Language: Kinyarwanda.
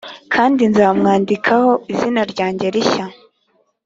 kandi nzamwandikaho izina ryanjye rishya.